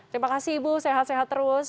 terima kasih ibu sehat sehat terus